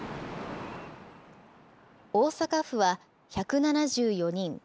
大阪府は１７４人。